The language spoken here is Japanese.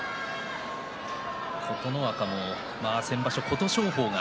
琴ノ若も先場所、琴勝峰が